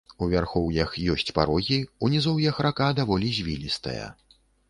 У вярхоўях ёсць парогі, у нізоўях рака даволі звілістая.